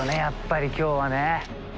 やっぱり今日はね。